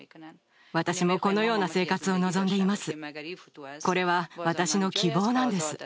私も、このような生活を望んでいます。